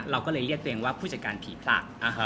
เราก็เลยเรียกตัวเองว่าผู้จัดการผีผลัก